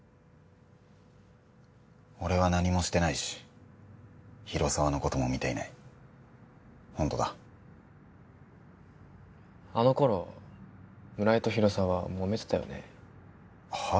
俺は何もしてないし広沢のことも見ていないホントだあの頃村井と広沢もめてたよねはッ？